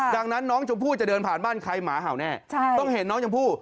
ดังนั้นน้องชมพู่จะเดินผ่านบ้านใครหมาเห่าแน่ต้องเห็นน้องชมพู่